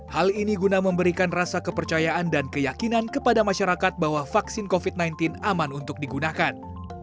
hal ini guna memberikan rasa kepercayaan dan keyakinan kepada masyarakat bahwa vaksin covid sembilan belas aman untuk digunakan